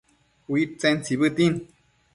Uidtsen tsibëtin